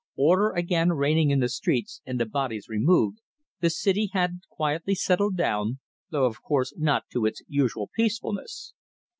Order again reigning in the streets and the bodies removed, the city had quietly settled down, though of course not to its usual peacefulness.